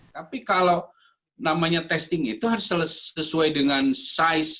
tapi kalau namanya testing itu harus sesuai dengan size